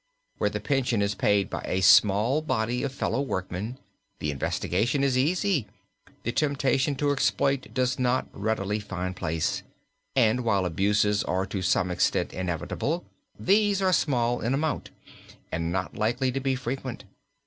Where the pension is paid by a small body of fellow workmen, the investigation is easy, the temptation to exploit does not readily find place, and while abuses are to some extent inevitable, these are small in amount, and not likely to be frequent.